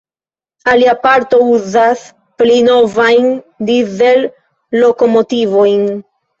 Alia parto uzas pli novajn Dizel-lokomotivojn.